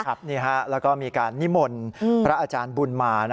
ครับแล้วก็มีการนิมลพระอาจารย์บุญมา